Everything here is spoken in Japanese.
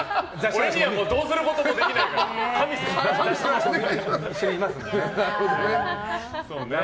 俺にはどうすることもできないから神様にみたいな。